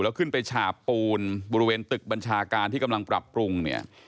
แล้วขึ้นไปฉาบปูนบริเวณตึกบัญชาการที่กำลังปรับปรุงเนี่ย